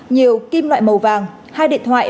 nhiều kim loại màu vàng hai điện thoại